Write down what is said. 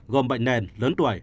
gồm bệnh nền lớn tuổi